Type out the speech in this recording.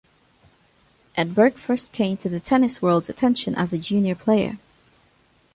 Edberg first came to the tennis world's attention as a junior player.